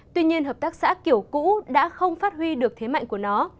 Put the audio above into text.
tuy nhiên hợp tác xã kiểu cũ đã không phát huy được thế mạnh của nó